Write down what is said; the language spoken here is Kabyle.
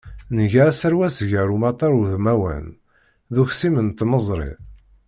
Nga aserwes gar umatar udmawan, d uskim n tmeẓri.